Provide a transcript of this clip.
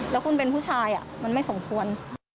แล้วคุณเป็นผู้ชายมันไม่สมควร